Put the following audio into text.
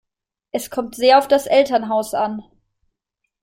Es kommt sehr auf das Elternhaus an.